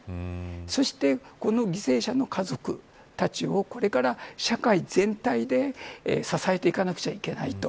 そして犠牲者の家族たちをこれから、しっかり全体で支えていかなくちゃいけないと。